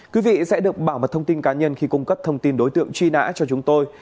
quý vị sẽ được bảo mật thông tin cá nhân khi cung cấp thông tin đối tượng truy nã cho chúng tôi